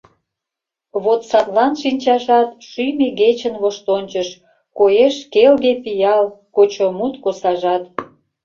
Вот садлан шинчажат — шӱм игечын воштончыш: Коеш келге пиал, кочо мут косажат.